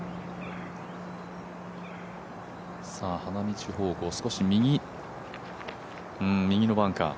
花道方向、少し右のバンカー。